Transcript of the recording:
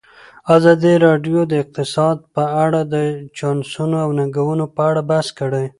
ازادي راډیو د اقتصاد په اړه د چانسونو او ننګونو په اړه بحث کړی.